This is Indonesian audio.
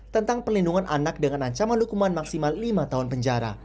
tentang perlindungan anak dengan ancaman hukuman maksimal lima tahun penjara